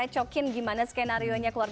yang bakal di reports